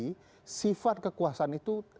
tapi sifat kekuasaan itu